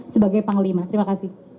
sebagai panglima terima kasih